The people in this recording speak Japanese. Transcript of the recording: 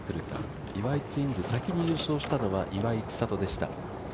ツインズ、先に優勝したのは岩井千怜でした。